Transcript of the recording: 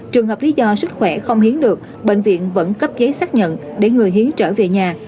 trường hợp lý do sức khỏe không hiến được bệnh viện vẫn cấp giấy xác nhận để người hiến trở về nhà